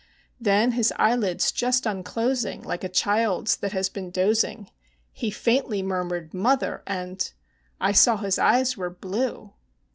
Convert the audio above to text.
Then, his eyelids just unclosing like a child's that has been dozing, He faintly murmured, "Mother!" and I saw his eyes were blue.